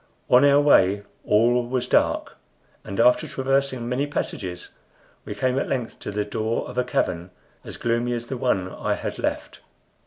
On our way all was dark, and after traversing many passages we came at length to the door of a cavern as gloomy as the one I had left.